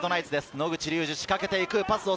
野口竜司が仕掛けていく！